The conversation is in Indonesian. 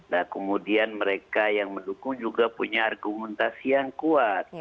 nah kemudian mereka yang mendukung juga punya argumentasi yang kuat